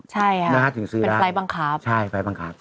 ใช่ฮะถึงซื้อได้เป็นไฟล์บังคับใช่ไฟล์บังคับ